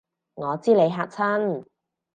我知你嚇親